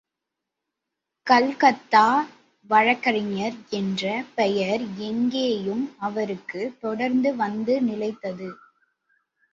கல்கத்தா வழக்கறிஞர் என்ற பெயர் இங்கேயும் அவருக்கு தொடர்ந்து வந்து நிலைத்தது.